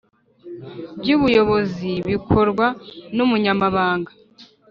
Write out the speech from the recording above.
By’ ubuyobozi bikorwa n’ umunyamabanga